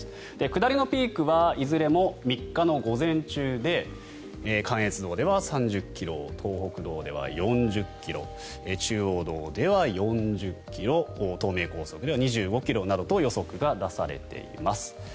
下りのピークはいずれも３日の午前中で関越道では３０ｋｍ東北道では４０ｋｍ中央道では４０ｋｍ東名高速では２５ｋｍなどと予測が出されています。